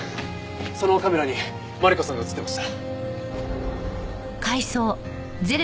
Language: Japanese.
そのカメラにマリコさんが映っていました。